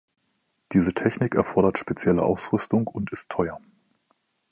Diese Technik erfordert spezielle Ausrüstung und ist teuer.